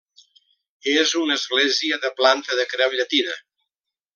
És una església de planta de creu llatina.